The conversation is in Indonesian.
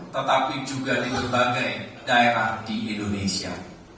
tetapi juga di berbagai daerah di indonesia